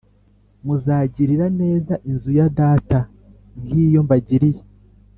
muzagirira neza inzu ya data nk iyo mbagiriye